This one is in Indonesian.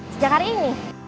sejak hari ini